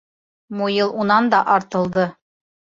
Муйыл унан да артылды.